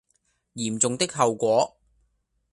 嚴重的後果